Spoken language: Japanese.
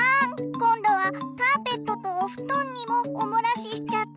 今度はカーペットとお布団にもおもらししちゃった。